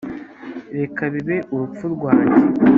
reka bibe urupfu rwanjye